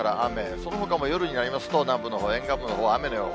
そのほかも夜になりますと、南部のほう、沿岸部のほうは雨の予報。